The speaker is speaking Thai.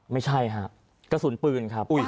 ไม่ใช่ฮะกระสุนปืนครับ